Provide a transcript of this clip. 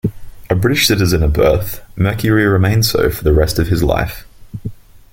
A British citizen at birth, Mercury remained so for the rest of his life.